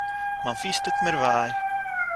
מיין פיס טוט מיר וויי